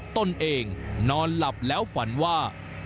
ตนเองนอนหลับแล้วฝันว่า